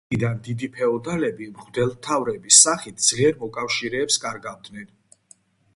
ამიერიდან დიდი ფეოდალები მღვდელმთავრების სახით ძლიერ მოკავშირეებს კარგავდნენ.